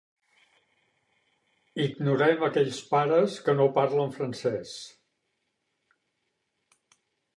Ignorem a aquells pares que no parlen francès.